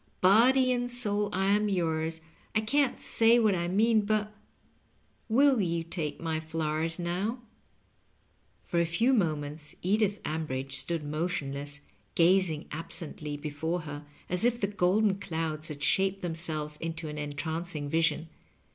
Body and soul I am yours ; I can't say what I mean, but — ^will you take my flowers now ?" For a few» moments Edith Ambridge stood motion less, gazing absently before her as if the golden clouds had shaped themselves into an entrancing vision.